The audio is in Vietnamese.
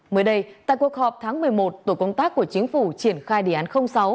mới đây tại cuộc họp tháng một mươi một tổ công tác của chính phủ triển khai đề án sáu